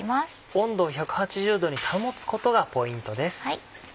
温度を１８０度に保つことがポイントです。